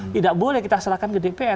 tidak boleh kita serahkan ke dpr